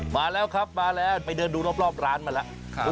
มาแล้วครับมาแล้วไปเดินดูรอบร้านมาแล้ว